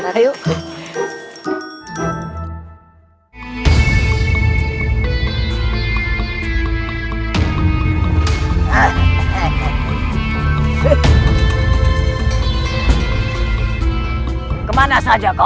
hai kemana saja kau m spin